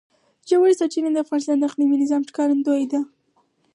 ژورې سرچینې د افغانستان د اقلیمي نظام ښکارندوی ده.